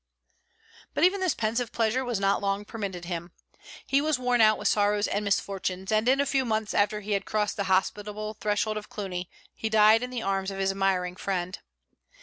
But even this pensive pleasure was not long permitted him. He was worn out with sorrows and misfortunes; and in a few months after he had crossed the hospitable threshold of Cluny he died in the arms of his admiring friend.